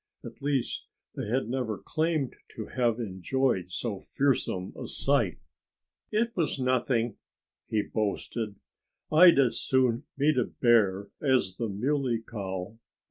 At least they had never claimed to have enjoyed so fearsome a sight. "It was nothing," he boasted. "I'd as soon meet a bear as the Muley Cow."